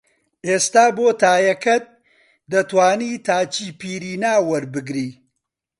ئێستا بۆ تایەکەت دەتوانی تاچیپیرینا وەربگری